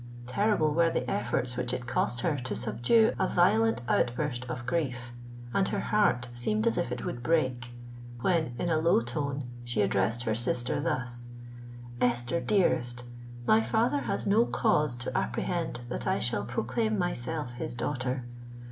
Terrible were the efforts which it cost her to subdue a violent outburst of grief; and her heart seemed as if it would break, when in a low tone she addressed her sister thus:—"Esther dearest, my father has no cause to apprehend that I shall proclaim myself his daughter.